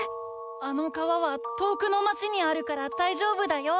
あの川は遠くの町にあるからだいじょうぶだよ。